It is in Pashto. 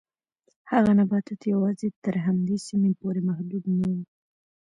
هغه نباتات یوازې تر همدې سیمې پورې محدود نه و.